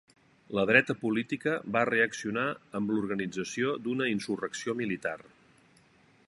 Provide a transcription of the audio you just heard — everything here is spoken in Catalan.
La dreta política va reaccionar amb l'organització d'una insurrecció militar.